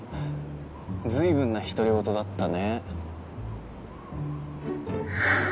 随分な独り言だったね